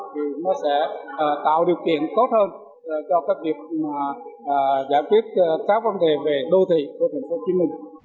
thì nó sẽ tạo điều kiện tốt hơn cho các việc giải quyết các vấn đề về đô thị của tp hcm